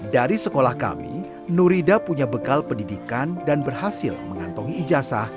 dari sekolah kami nurida punya bekal pendidikan dan berhasil mengantongi ijazah